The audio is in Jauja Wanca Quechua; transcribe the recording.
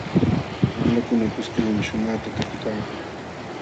Wamlakuna kuskallam shumaqta takipaakun.